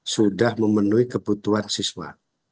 sudah memenuhi kebutuhan siswa